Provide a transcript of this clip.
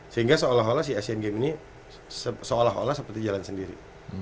sehingga seolah olah si asean games ini seolah olah seperti jalan sendiri